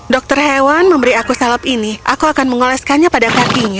dokter hewan memberi aku seleb ini aku akan mengoleskannya pada kakinya